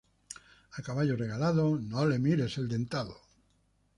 A caballo regalado, no le mires el dentado